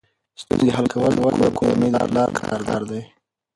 ستونزې حل کول د کورنۍ د پلار کار دی.